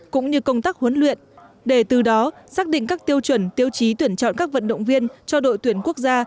cũng như công tác huấn luyện để từ đó xác định các tiêu chuẩn tiêu chí tuyển chọn các vận động viên cho đội tuyển quốc gia